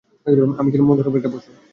আমি ছিলাম মনুষ্যরুপী একটা পশু।